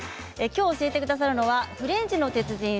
きょう教えてくださるのはフレンチの鉄人